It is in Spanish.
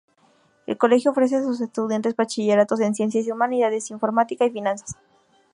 El colegio ofrece a sus estudiantes bachilleratos en ciencias y humanidades, informática y finanzas.